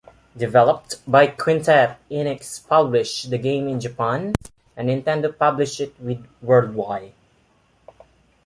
Developed by Quintet, Enix published the game in Japan, and Nintendo published it worldwide.